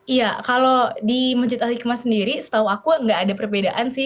iya kalau di masjid al hikmah sendiri setahu aku nggak ada perbedaan sih